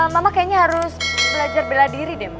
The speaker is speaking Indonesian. mama kayaknya harus belajar bela diri deh